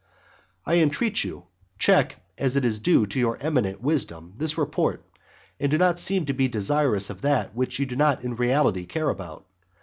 I entreat you, check, as is due to your eminent wisdom, this report, and do not seem to be desirous of that which you do not in reality care about.